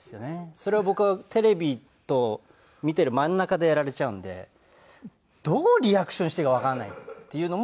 それを僕はテレビと見てる真ん中でやられちゃうんでどうリアクションしていいかわからないっていうのも。